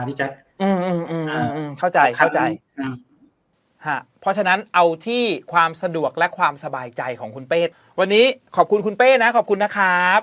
แจ๊คอืมอ่าเข้าใจเข้าใจเพราะฉะนั้นเอาที่ความสะดวกและความสบายใจของคุณเป้วันนี้ขอบคุณคุณเป้นะขอบคุณนะครับ